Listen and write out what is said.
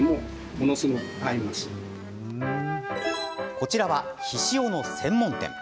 こちらは、ひしおの専門店。